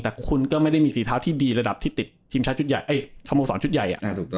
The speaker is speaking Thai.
แต่คุณก็ไม่ได้มีฝีเท้าที่ดีระดับที่ติดทีมชาติชุดใหญ่ไอ้สโมสรชุดใหญ่